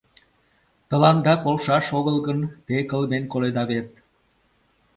— Тыланда полшаш огыл гын, те кылмен коледа вет.